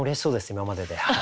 今までで。